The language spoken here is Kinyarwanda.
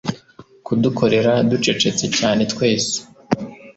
Kudukorera ducecetse cyane twese